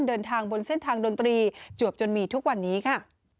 เดินทางบนเส้นทางดนตรีจวบจนมีทุกวันนี้ค่ะ